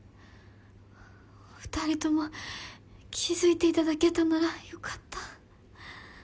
お二人とも気付いていただけたならよかった。